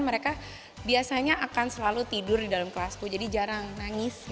mereka biasanya akan selalu tidur di dalam kelasku jadi jarang nangis